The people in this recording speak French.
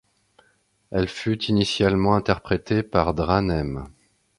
Elle fut initialement interprétée par Dranem.